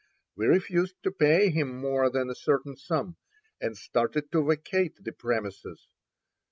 We refused to pay him more than a certain sum, and started to vacate the premises.